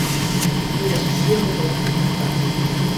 Не, не буду вас прапускаць.